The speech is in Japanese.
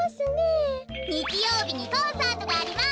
にちようびにコンサートがあります！